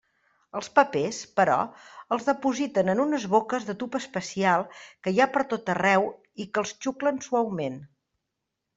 Els papers, però, els dipositen en unes boques de tub especial que hi ha pertot arreu i que els xuclen suaument.